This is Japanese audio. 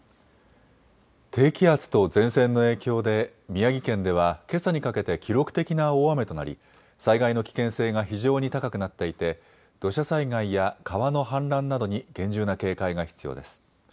低気圧と前線の影響で宮城県ではけさにかけて記録的な大雨となり災害の危険性が非常に高くなっていて土砂災害や川の氾濫などに厳重な警戒が必要です。